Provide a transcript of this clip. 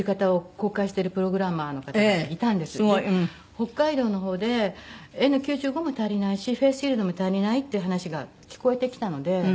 北海道の方でＮ９５も足りないしフェースシールドも足りないっていう話が聞こえてきたので。